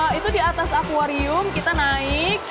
jadi itu di atas aquarium kita naik